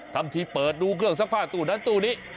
ทำทีเปิดดูเครื่องซักผ้าตู้นั้นตู้นี้